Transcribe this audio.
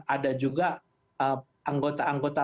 ada juga anggota anggota